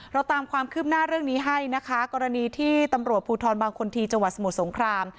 เราตามความคืบหน้าเรื่องนี้ให้นะคะกรณีที่ตำรวจภูทรบางคนที่จังหวัดสมุทรสงคราม